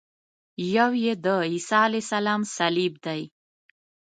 یو یې د عیسی علیه السلام صلیب دی.